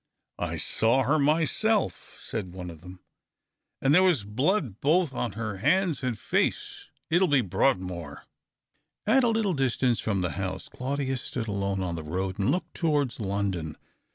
" I saw her myself," said one of them, ''and there was blood both on her hands and face. It'll be Broadmoor." At a little distance from the house Chiudius stood alone on the road and looked towards London.